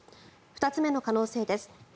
２つ目の可能性です。